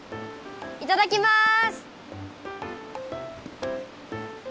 いただきます！